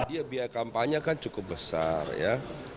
ya biaya kampanye kan cukup besar ya